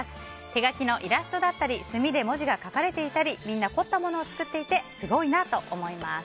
手描きのイラストだったり墨で文字が書かれていたりみんな凝ったものを作っていてすごいなと思います。